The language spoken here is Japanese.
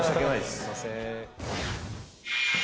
すいません